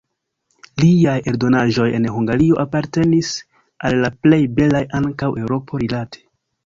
Liaj eldonaĵoj en Hungario apartenis al la plej belaj ankaŭ Eŭropo-rilate.